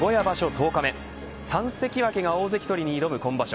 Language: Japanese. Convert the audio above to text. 十日目３関脇が大関とりに挑む今場所。